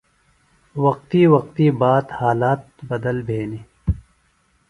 وقتی وقتی بات حالت بدل بھینیۡ۔